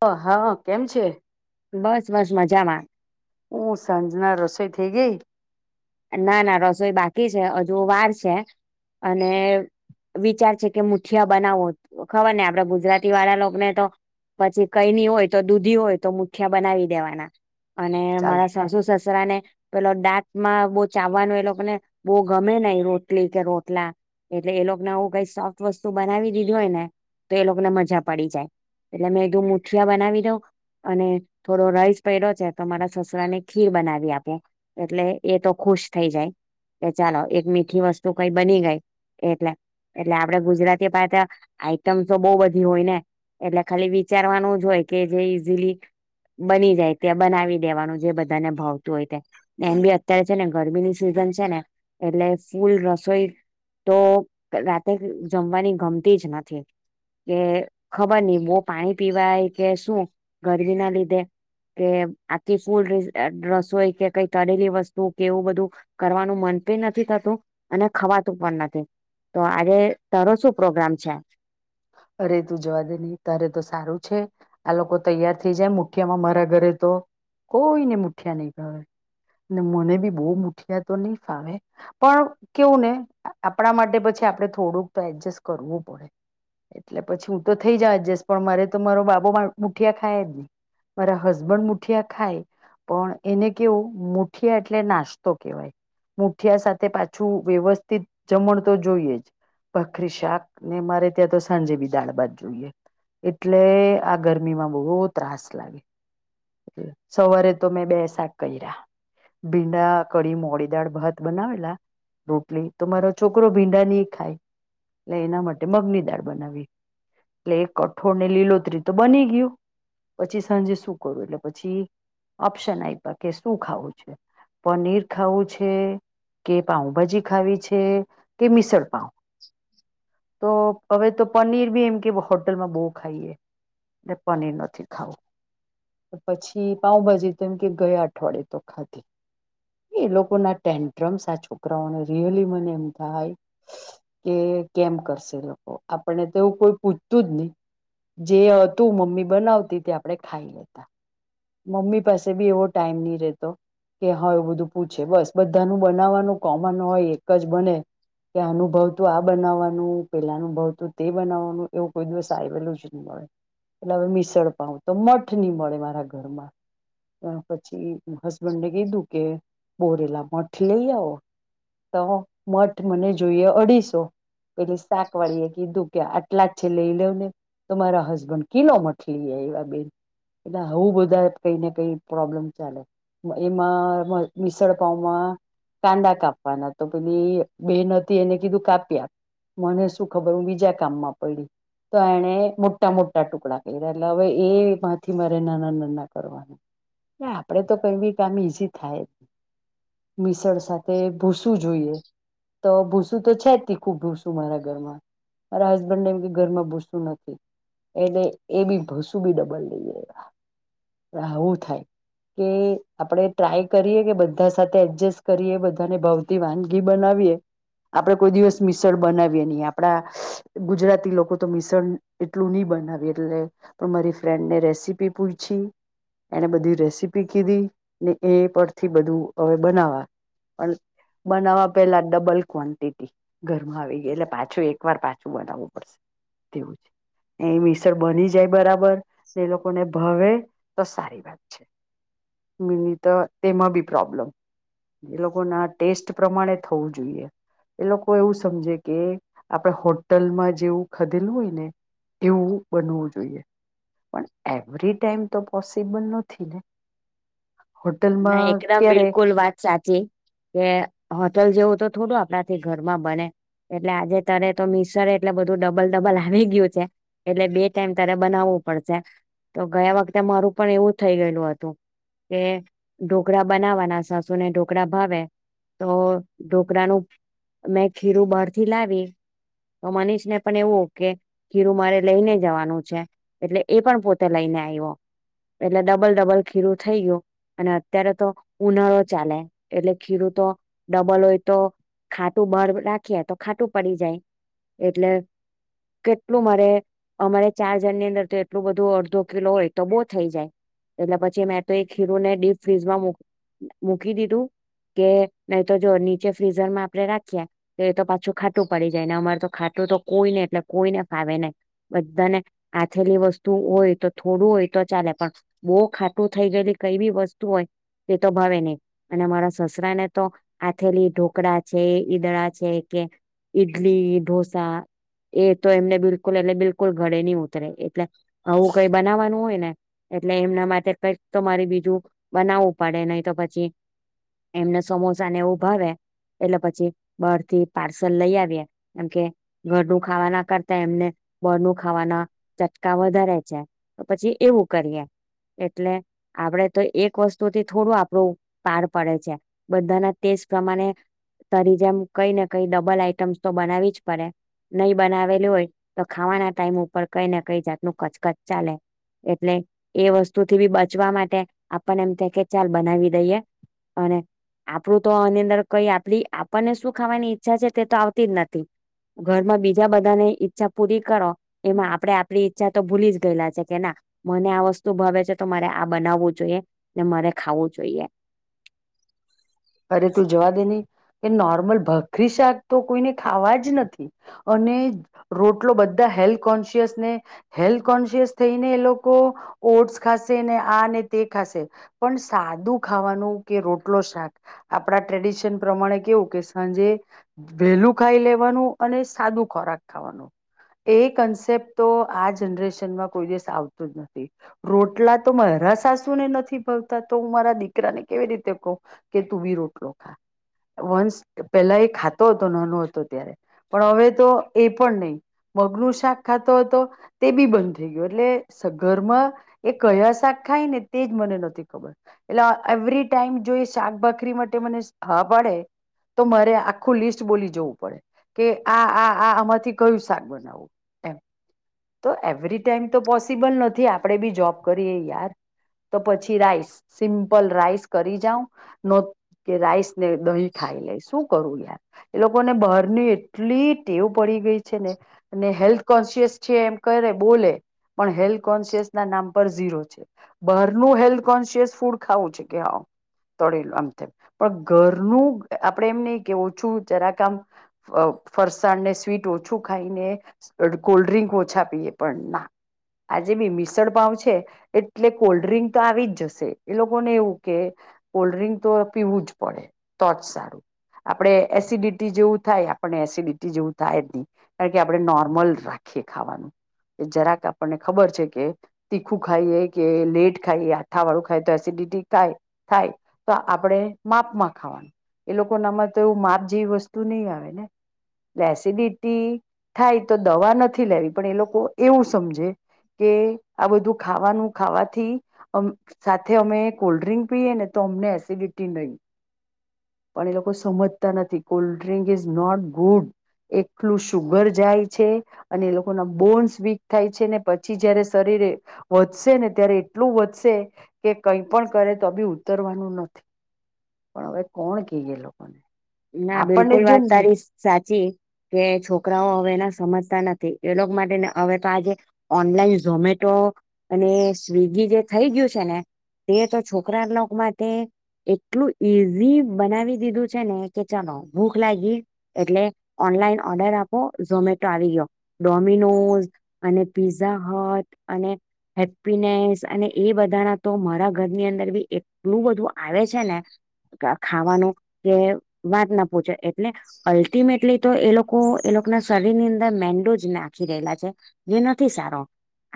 હ હા કેમ છે. બસ બસ મજામાં. હું સાંજના રસોઈ થઈ ગઈ. ના ના રસોઈ બાકી છે હજુ વાર છે અને વિચાર છે કે મુઠિયા બનાવો ખબર ને આપડા ગુજરાતી વાળા લોકોને તો પછી કઈની હોય તો દૂધી હોય તો મુઠિયા બનાવી દેવાના. અને ચાલ મારા સાસુ સસ રાને પેલો દાંત માં. બહુ ચાવવાનું એ લોકોને બહુ ગમે ને રોટલી કે રોટલા એટલે એ લોકોને હું કઈ સોફ્ટ વસ્તુ બનાવી દીધી હોય ને તો એ લોકોને મજા પડી જાય એટલે મેં મુઠિયા બનાવી દઉં અને થોડો રાઈસ વધયો છે તો મારા સસરા ને ખીર બનાવી આપો એટલે એ તો. ખુશ થઈ જાય કે ચાલો એક મીઠી વસ્તુ કઈ બની ગઈ એટલે એટલે આપડે ગુજરાતી પાસે આઈટમ તો બહુ બધી હોય ને એટલે ખાલી વિચારવાનું જ હોય કે જે ઈઝીલી બની જાય ત્યા બનાવી દેવાનું જે બધાને ભાવતું હોય ત એમ બી અત્યારે. જેને ગરમીની સિઝન છે ને એટલે ફૂલ રસોઈ તો રાતે જમવાની ગમતી જ નથી કે ખબર નહી બહ પાણી પીવાય કે શું ગરમી ના લીધે કે આખી ફૂલ રસોઈ કે કઈ તળેલી વસ્તુ. કૂક એવું બધું કરવાનું મન પણ નથી થતું અને ખવાતું પણ નથી તો આજે તારો શું પ્રોગ્રામ છે. અરે તું જવા દે નહી તારે તો સારું છે આ લોકો તૈયાર થઈ જાય મુઠિયામાં મારા ઘરે તો કોઈને મુઠિયા નહીં ભાવે ને મને બી બહુ મુઠિયા તો નહી ફાવે પણ કેવું ને આપણા માટે પછી આપણે થોડુંક તો એડજસ્ટ કરવું પડે. એટલે પછી હું તો થઈ જ એડજસ્ટ પણ મારે તો મારો બાબો મુઠિયા ખાય જ નહી મારા હસબન્ડ મુઠિયા ખાય પણ એને કેવું મુઠિયા એટલે નાસ્તો કેહેવાય મુઠિયા સાથે પાછું વ્યવસ્થિત જમણ તો જોઈએ જ ભાખરી શાક ને મારે. ત્યાં તો સાંજે બી દાળ ભાત જોઈએ એટલે આ ગરમીમાં બહુ ત્રાસ લાગે સવારે તો મેં બે શાક કર્યા ભીંડા કડી મોડી દાળ ભાત બનાવેલા રોટલી તો મારો છોકરો ભીંડા નહી ખાય એટલે એના માટે મગની. દાળ બનાવી એટલે એ કઠોળ ને લીલોતરી તો બની ગયું પછી સાંજે શું કરું એટલે પછી ઓપ્શન આપ્યા કે શું ખાવું છે પનીર ખાવું છે કે પાઉભાજી. ખાવી છે કે મીસળપાવ તો. હવે તો પનીર બી એમ કે હોટલમાં બહુ ખાઈએ પનીર નથી ખાવું પછી પાઉભાજી તો એમ કે ગયા અઠવાડિયે તો ખાધી એ એ લોકો ના ટેન્ટ્રમ્સ આ છોકરાઓને રિયલી મને એમ થાય કે કેમ કરશે. આપણને તો એવું કોઈ પૂછતું જ નહી જે હતું મમ્મી બનાવતી તે આપણે ખાઈ લેતા. મમ્મી પાસે બી એવો ટાઈમ નહી રહેતો કે હા એવું બધું પૂછે બસ બધાનું બનાવવાનું કોમન હોય એક જ બને કે આનુભવ તું આ બનાવવાનું પેલાનુભવ તું તે બનાવવાનું. એવું કોઈ દિવસ આવેલું જ નહી મળે. એટલે હવે મિશળ પાાવ તો મઠ નહી મળે મારા ઘરે ઘરમાં. ત્યાર પછી હસબન્ડ ને કીધુ કે ફોડેલા મઠ લઈ આવો તો મઠ મને જોઈએ અઢીસો પેલી શાકવાળી એ કીધું કે આટલા જ છે લઈ લવ ને તો મારા હસબન્ડ કિલો મઠ લઈ આઇવા બેન. એટલે આઉ બધું દર કઈ ને કઈ પ્રોબ્લેમ ચાલે. એમાં મ મિસળપાવમાં કાંદા કાપવાના તો પે બે બેન હતી એને કીધું કાપી આપ. મને શું ખબર બીજા કામમાં પડી તો એણે મોટા મોટા ટુકડા કર્યા એટલે હવે એ માંથી મારે નાના નાના કરવા. આપડે તો કઈ બી કામ ઈઝી થાય. મીશળ સાથે ભૂસુ જોઈએ. તો ભૂસું તો છે જ તીખું ભૂસું મારા ઘરમાં. મારા હસબન્ડ ને એમ કે ઘરમાં ભૂસું નથી, એટલે એ બી ભૂસું બી ડબલ લઈ આયવા. હાવું થાય, કે આપડે ટ્રાય કરીએ કે બધા સાથે એડજસ્ટ કરીએ, બધાને ભવતી વાનગી બનાવીએ. આપડે કોઈ દિવસ મિસળ બનાવીએ નહી. આપડા ગુજરાતી લોકો તો મિસળ એટલું નહી બનાવીએ એટલે, પણ મારી ફ્રેન્ડને રેસીપી પૂયછી એણે બધી રેસીપી કીધી, ને એ પરથી બધું હવે બનાવા, અન બનાવવા પેલા ડબલ ક્વોન્ટિટી ઘરમાં આવી ગઈ, એટલે પાછું એક વાર પાછું બનાવવું પડશે, તેવું છે. ને એ મિસળ બની જાય બરાબર, ને એ લોકો ને ભાવે તો સારી વાત છે. મિની તો તેમાં બી પ્રોબ્લેમ, એ લોકોના ટેસ્ટ પ્રમાણે થવું જોઈએ. એ લોકો એવું સમજે કે આપણે હોટલમાં જેવું ખાધેલું હોય ને એવું બનવું જોઈએ. પણ એવરી ટાઈમ તો પોસીબલ નથી ને? ના હોટલમાં એકદમ ક્યારે બિલકુલ વાત સાચી, કે હોટલ જેવું તો થોડું આપડાથી ઘરમાં બને. એટલે આજે તારે તો મિસળ એટલે બધું ડબલ-ડબલ આવી ગયું છે, એટલે બે ટાઈમ તારે બનાવવું પડશે. તો ગયા વખતે મારું પણ એવું થઈ ગયેલું હતું, કે ઢોકળા બનાવવાના, સાસુને ઢોકળા ભાવે, તો ઢોકળાનું મેં ખીરું બહારથી લાવી, તો મનીષને પણ એવું કે ખીરું મારે લઈને જવાનું છે, એટલે એ પણ પોતે લઈને આયવો, એટલે ડબલ-ડબલ ખીરું થઈ ગયું. અને અત્યારે તો ઉનાળો ચાલે, એટલે ખીરું તો ડબલ હોય તો ખાટું બાર રાખીએ તો ખાટું પડી જાય, એટલે કેટલું મારે અમારે ચાર જણની અંદર તો એટલું બધું અડધો કિલો હોય તો બહુ થઈ જાય. એટલે પછી મેં તો એક ખીરું ને ડીપ ફ્રીઝમાં મૂક મૂકી દીધું, કે નહીં તો જો નીચે ફ્રીઝર માં આપડે રાખીએ, તો એ તો પાછું ખાટું પડી જાય, ને અમારે તો ખાટું તો કોઈને એટલે કોઈને ભાવે નહીં. બધાને આથેલી વસ્તુ હોય તો થોડું હોય તો ચાલે, પણ બહુ ખાટું થઈ ગયેલી કઈ બી વસ્તુ હોય એ તો ભાવે નહીં, અને મારા સસરાને તો આથેલી ઢોકળા છે, ઈદડા છે કે ઈડલી, ઢોસા એ તો એમને બિલકુલ એટલે બિલકુલ ગળે નહી ઉતરે, એટલે આવું કઈ બનાવવાનું હોય ને એટલે એમના માટે કંઈક તો મારી બીજું બનાવવું પડે, નહી તો પછી એમને સમોસા ને એવુ ભાવે એટલે પછી બાર થી પાર્સલ લઈ આવીએ, એમ કે ઘરનું ખાવાના કરતા એમને બાર નું ખાવાના ચટકા વધારે છે, તો પછી એવું કરીએ. એટલે આપડે તો એક વસ્તુથી થોડું આપણું પાર પડે છે. બધાના ટેસ્ટ પ્રમાણે તારી જેમ કઈ ને કઈ ડબલ આઈટમ્સ તો બનાવી જ પડે, નહીં બનાવેલી હોય તો ખાવાના ટાઈમ ઉપર કંઈ ને કંઈ જાતનું કચકચ ચાલે, એટલે એ વસ્તુ થી બી બચવા મા ટે આપણને એમ થાય કે ચાલ બનાવી દઈએ, અને આપડું તો આની અંદર કંઈ આપડી આપણને શું ખાવાની ઈચ્છા છે તે તો આવતી જ નથી. ઘરમાં બીજા બધાની ઈચ્છા પૂરી કરો એમાં આપડે આપણી ઈચ્છા તો ભૂલી જ ગયેલા છે કે ના મને આ વસ્તુ ભાવે છે તો મારે આ બનાવવું જોઈએ, ને મારે ખાવું જોઈએ. અરે તું જવા દે ને ને નોર્મલ ભાખરી શાક તો કોઈને ખાવા જ નથી, અને રોટલો બધા હેલ્થ કોન્શિયસ ને હેલ્થ કોન્શિયસ થઈને એ લોકો ઓટ્સ ખાશે ને આ ને તે ખાશે, પણ સાદું ખાવાનું કે રોટલો શાક આપણા ટ્રેડિશન પ્રમાણે કેવું કે સાંજે વહેલું ખાઈ લેવાનું, અને સાદું ખોરાક ખાવાનું. એ કન્સેપ્ટ તો આ જનરેશનમાં કોઈ દિવસ આવતું જ નથી. રોટલા તો મારા સાસુ ને નથી ભાવતા તો હું મારા દીકરાને કેવી રીતે કહું. કે તું બી રોટલો ખા. વંસ પેલા એ ખાતો તો નોનો હતો ત્યારે, પણ હવે તો એ પણ નહી. મગનું શાક ખાતો હતો, તે બી બંધ થઈ ગયો. એટલે સ ઘરમાં એ કયા શાક ખાય ને તે જ મને નથી ખબર, એટલે આ એવરી ટાઈમ જોઈશ શાક ભાખરી માટે મને હા પાડે, તો મારે આખું લિસ્ટ બોલી જવું પડે, કે આ આ આ આમાંથી કયું શાક બનાવવું એમ, તો એવરી ટાઈમ તો પોસિબલ નથી આપે બી જોબ કરીએ યાર, તો પછી રાઈસ સિમ્પલ રાઈસ. લો કે રાઈસ ને દહી ખાઈ લે શું કરું યાર એ લોકોને બહારની એટલી ટેવ પડી ગઈ છે, ને અને હેલ્થ કોન્સિયસ છે એમ કરે બોલે, પણ હેલ્થ કોન્શિયસ ના નામ પર ઝીરો છે, બારનું હેલ્થ કોન્શિયસ ફૂડ ખાવું છે કે હ. તળેલું આમ તેમ, પણ ઘરનું આપડે એમ નહિ કે ઓછું જરાક આમ ફ ફરસાણને સ્વીટ ઓછું ખાઈને કોલ્ડ્રિંક ઓછા પીએ, પણ ના આજે બી મિસળ પાાવ છે એટલે કોલ્ડ ડ્રિંક તો આવી જ જશે, એ લોકોને એવું કે કોલ્ડ્રિંક તો પીવું જ પડે, તો જ સારું, આપણે એસિડિટી જેવું થાય, આપણને એસિડિટી જેવું થાય જ નહી કારણ કે આપણે નોર્મલ રાખીએ ખાવાનું જરાક આપણને ખબર છે કે તીખું ખાઈએ કે લેટ ખાઈએ, આથા વાળું ખાય તો એસિડિટી થાય. થાય, તો આપણે માપમાં ખાવાનું, એ લોકો નામાં તો એવું માપ જેવી વસ્તુ નહીં આવે ને, એસિડિટી થાય તો દવા નથી લેવી પણ એ લોકો એવું સમજે, કે આ બધું ખાવાનું ખાવાથી અમ સાથે અમે કોલ્ડ્રીિંક પીને તો અમને એસિડિટી નહીં, પણ એ લોકો સમજતા નથી cold drink is not good, એલું સુુગર જાય છે અને એ લોકો ના બોન્સ વીક થાય છે ને પછી જયારે શરીરે, વધશે ને ત્યારે એટલું વધશે કે કઈ પણ કરે તો બી ઉતરવાનું નથી, પણ હવે કોણ કહીએ લોકોને. ના આપણને બિલકુલ જો વાત તારી નહી સ સાચી કે છોકરાઓ હવે એના સમજ તા નથી એ લોકો માટે ને હવે તો આજ ઓનલાઈન ઝોમેટો, અને સ્વગી જે થઈ ગયું છે ને, તે તો છોકરા લોકો માટે એટલું ઈઝી બનાવી દીધું છે ને. કે ચાલો ભૂખ લાગી, એટલે ઓનલાઈન ઓર્ડર આપો ઝોમેટો આવી ગયો, ડોમિનોઝ અને પીઝા હટ અને, હેપીનેસ અને એ બધાના તો મારા ઘરની અંદર બી એટલું બધું આવે છે ને, ખા ખાવાનું, કે વાત ના પૂછે એટલે, અલ્ટિમેટલી તો એ લોકો એ લોકો ના શરીર ની અંદર મેંદો જ નાખી રહેલા છે, જે નથી સારો,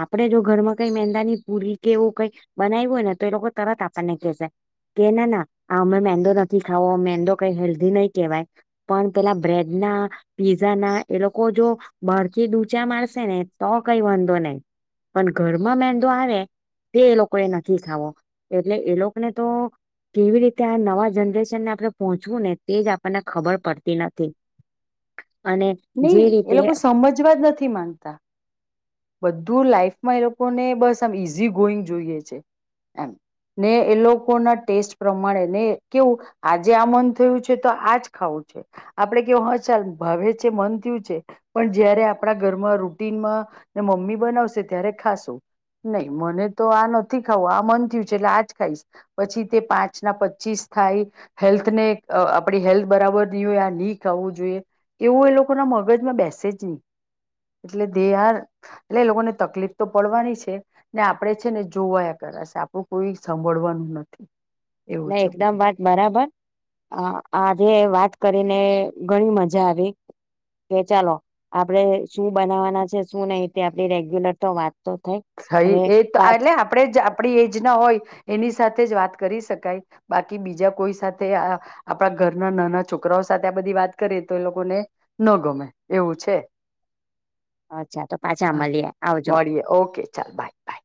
આપડે જો ઘરમાં કઈ મેંદા ની પૂરી કે એવું કઈ બનાવ્યું હોય ને તો એ લોકો તરત આપણને કહેશે, કે ના ના અમે મેંદો નથી ખાવો મેંદો કઈ હેલ્ધી નહી કહેવાય, પણ પેલા બ્રેડ ના પીઝા ના એ લોકો જો બારથી ડૂચા મારશે ને તો કઈ વાંધો નહી, પણ ઘરમાં મેંદો આવે, તે એ લોકો એ નથી ખાવો, એટલે એ લોકોને તો કેવી રીતે આ નવા જનરેશનને આપણે પહોંચવું ને તે જ આપણને ખબર પડતી નથી. અને જે નહી એ રીતે લોકો સમજવા જ નથી માનતા, બધું લાઈફ એ લોકો ને બસ આમ ઈઝી ગોઈંગ જોઈએ છે, એમ ને એ લોકો ના ટેસ્ટ પ્રમાણે ને કેવું આજે આ મન થયું છે તો આજ ખાવું છે, આપડે કેવ હ ચાલ ભ મન થયું છે, પણ જયારે આપણા ઘરમાં રૂટીનમાં, મમ્મી બનાવશે ત્યારે ખાશું નહી મને તો આ નથી ખાવું આ મન થયું છે એટલે આજ ખાઈશ, પછી તે પાંચ ના પચીસ થાય, હેલ્થને આપડી હેલ્થ બરાબર નહી હોય આ નહી ખું જોઈએ. એવું એ લોકોના મગજમાં બેસે જ નહી, એટલે દે આર એટલે એ લોકોને તકલીફ તો પડવાની છે ને આપણેે છે ને જોવાયા કરાશે આપણું કોઈ સાંભળવાનું નથી. એવું ના છે એકદમ બધું વાત બરાબર, આજે વાત કરીને ઘણી મજા આવી, કે ચાલો આપણે શું બનાવાના છે શું નહિ તે આપડી રેગ્યુલર તો વાત તો થઈ સ હવે એ તો પાછ એટલે આપણે જ આપણી એજ ના હોય, એની સાથે જ વાત કરી શકાય બાકી બીજા કોઈ સાથે આપણા ઘરના નાના છોકરાઓ સાથે આ બધી વાત કરી તો એ લોકોને ન ગમે એવું છે અચ્છા તો પાછા હા મળીએ આવજો. મળીએ ઓકે બાય બાય.